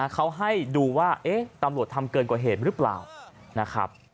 เขาให้ดูว่าตำรวจทำเกินกว่าเหตุหรือเปล่านะครับ